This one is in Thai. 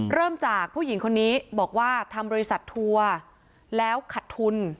เริ่มจากผู้หญิงคนนี้บอกว่าทำบริษัททัวร์แล้วขัดทุน